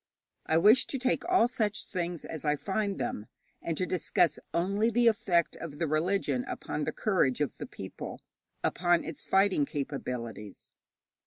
I wish to take all such things as I find them, and to discuss only the effect of the religion upon the courage of the people, upon its fighting capabilities.